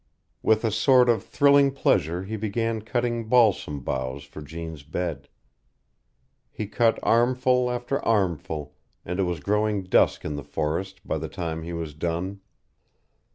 With a sort of thrilling pleasure he began cutting balsam boughs for Jeanne's bed. He cut armful after armful, and it was growing dusk in the forest by the time he was done.